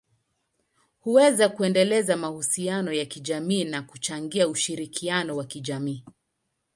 huweza kuendeleza mahusiano ya kijamii na kuchangia ushirikiano wa kijamii.